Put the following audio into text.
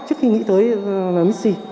trước khi nghĩ tới mis c